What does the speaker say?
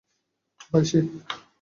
ভাই, সে!